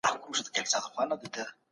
تاسو به د خپل توان سره سم کار کوئ.